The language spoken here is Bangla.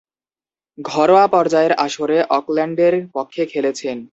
ঘরোয়া পর্যায়ের আসরে অকল্যান্ডের পক্ষে খেলেছেন।